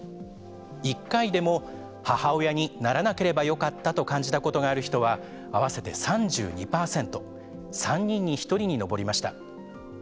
１回でも母親にならなければよかったと感じたことがある人は合わせて３２％３人に１人に上りました。